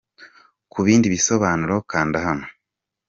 Ku bindi bisobanuro, kanda hano :.